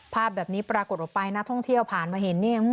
ภาพแบบนี้ปรากฏออกไปนักท่องเที่ยวผ่านมาเห็นเนี่ย